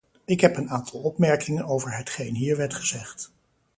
Ik heb een aantal opmerkingen over hetgeen hier werd gezegd.